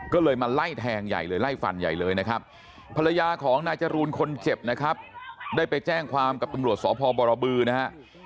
ก็เลยมาไล่แทงใหญ่เลยไล่ฟันใหญ่เลยนะครับภรรยาของนายจรูนคนเจ็บนะครับได้ไปแจ้งความกับตำรวจสพบรบือนะฮะ